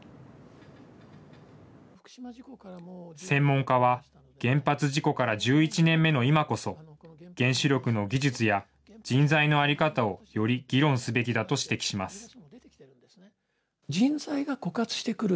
専門家は、原発事故から１１年目の今こそ、原子力の技術や人材の在り方をより議論すべきだと指摘します。